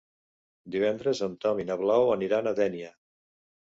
Divendres en Tom i na Blau aniran a Dénia.